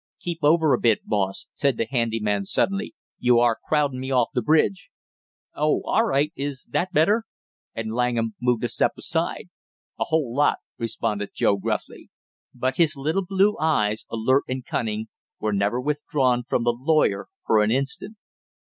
"Keep over a bit, boss!" said the handy man suddenly. "You are crowding me off the bridge!" "Oh, all right; is that better?" And Langham moved a step aside. "A whole lot," responded Joe gruffly. But his little blue eyes, alert with cunning, were never withdrawn from the lawyer for an instant.